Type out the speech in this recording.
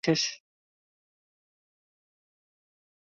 পরন্তু নানা গ্রন্থের সমবায়ে বেদ ছিল একটি সাহিত্য-বিশেষ।